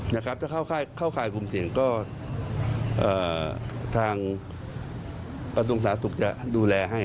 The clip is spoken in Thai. นะครับถ้าเข้าค่ายกลุ่มเสี่ยงก็เอ่อทางกระทรวงศาสตร์ศุกร์จะดูแลให้